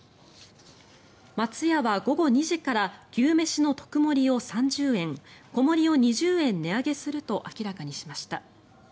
松屋は午後２時から牛めしの特盛を３０円小盛を２０円値上げすると明らかにしました。